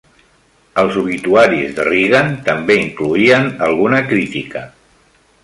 Els obituaris de Reagan també incloïen alguna crítica.